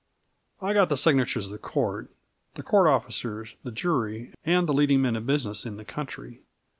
I got the signatures of the Court, the court officers, the jury and the leading men of business in the country.